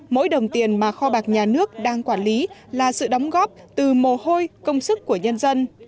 mỗi đồng tiền mà kho bạc nhà nước đang quản lý là sự đóng góp từ mồ hôi công sức của nhân dân